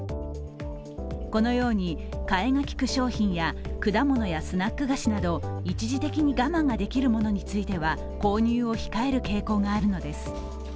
このように替えがきく商品や果物やスナック菓子など一時的に我慢ができるものについては購入を控える傾向があるのです。